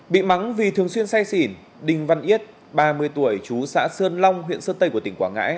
bị mắng vì thường xuyên say xỉn đinh văn yết ba mươi tuổi chú xã sơn long huyện sơn tây của tỉnh quảng ngãi